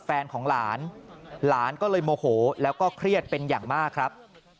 แฟนของหลานหลานก็เลยโมโหแล้วก็เครียดเป็นอย่างมากครับ